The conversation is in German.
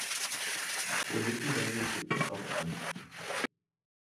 Für Wittenberge gibt es auch zwanzig Punkte.